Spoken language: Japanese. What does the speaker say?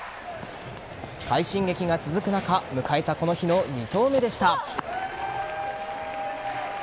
快進撃が続く中迎えた、この日の２投目でした。